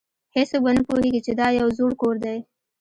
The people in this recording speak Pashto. هیڅوک به نه پوهیږي چې دا یو زوړ کور دی